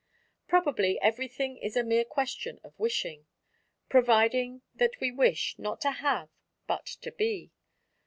Probably everything is a mere question of wishing, providing that we wish, not to have, but to be.